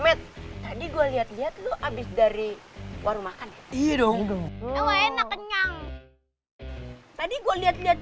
matt tadi gua lihat lihat lu habis dari warung makan hidung enak kenyang tadi gua lihat lihat